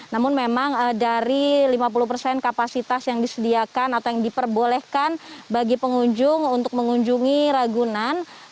namun memang dari lima puluh persen kapasitas yang disediakan atau yang diperbolehkan bagi pengunjung untuk mengunjungi ragunan